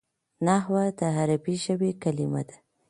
نحوه د عربي ژبي کلیمه ده.